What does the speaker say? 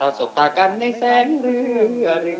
เราสบกากันในแสงเรือเรือ